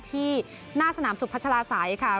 ที่หน้าสนามศุกร์พัชราสัยค่ะ